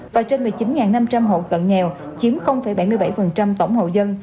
và trên một mươi chín năm trăm linh hộ cận nghèo chiếm bảy mươi bảy tổng hậu dân